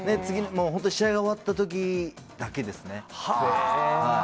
試合が終わった時だけですね。